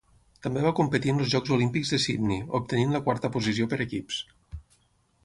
També va competir en els jocs olímpics de Sydney, obtenint la quarta posició per equips.